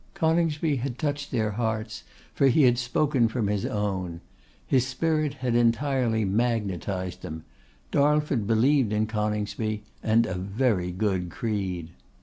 Coningsby had touched their hearts, for he had spoken from his own. His spirit had entirely magnetised them. Darlford believed in Coningsby: and a very good creed.